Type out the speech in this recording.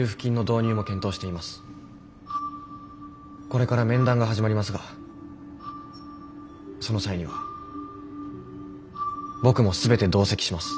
これから面談が始まりますがその際には僕も全て同席します。